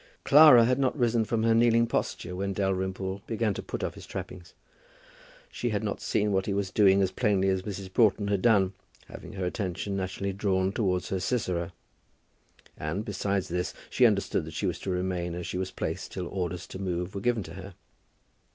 Clara had not risen from her kneeling posture when Dalrymple began to put off his trappings. She had not seen what he was doing as plainly as Mrs. Broughton had done, having her attention naturally drawn towards her Sisera; and, besides this, she understood that she was to remain as she was placed till orders to move were given to her.